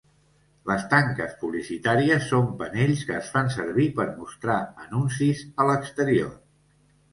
Les tanques publicitàries són panells que es fan servir per mostrar anuncis a l'exterior